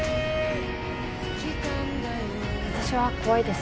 私は怖いです